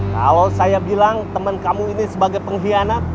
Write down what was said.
kalau saya bilang teman kamu ini sebagai pengkhianat